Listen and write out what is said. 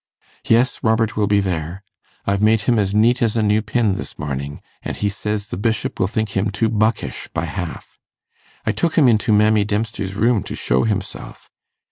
'Yes, Robert will be there. I've made him as neat as a new pin this morning, and he says the Bishop will think him too buckish by half. I took him into Mammy Dempster's room to show himself.